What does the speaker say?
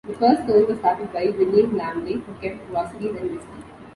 The first store was started by William Lamley, who kept groceries and whisky.